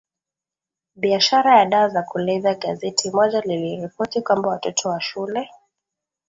biashara ya dawa za kulevya Gazeti moja liliripoti kwamba watoto wa shule